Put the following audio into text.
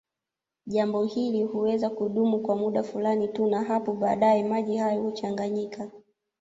Jambo hili huweza kudumu kwa muda fulani tu na hapo baadaye maji hayo huchanganyika